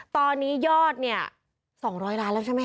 ตอนนี้ยอดเนี่ย๒๐๐ล้านแล้วใช่ไหมค